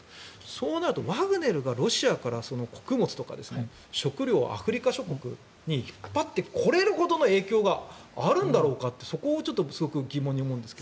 そうなるとワグネルがロシアから穀物とか食糧をアフリカ諸国に引っ張ってこれるほどの影響があるんだろうかとそこをすごく疑問に思うんですが。